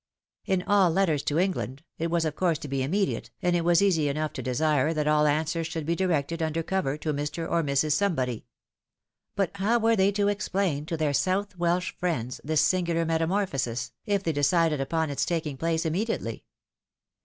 In all letters to England, it was of course to be immediate, and it was easy, enough to desire that aU answers should be directed under cover to Mr. or Mrs. Somebody. But how were they to explain to their South Welsh friends this singular metamorphosis, if they decided upon its taking place inmaediately